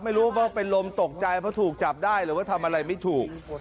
ไม่รู้ว่าเป็นลมตกใจเพราะถูกจับได้หรือว่าทำอะไรไม่ถูก